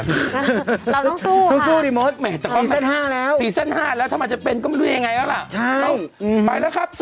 เราต้องสู้ค่ะต้องสู้ดิมส